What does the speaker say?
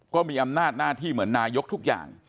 ก็มีอำนาจหน้าที่เหมือนนายกทุกอย่าง